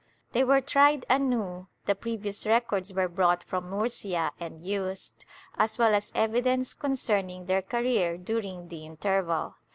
They were tried anew; the previous records were brought from Murcia and used, as well as evidence concerning their career dur ing the interval.